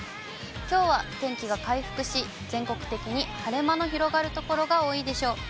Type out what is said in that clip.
きょうは天気が回復し、全国的に晴れ間の広がる所が多いでしょう。